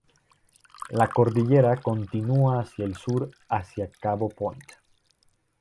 La cordillera continúa hacia el sur hacia cabo Point.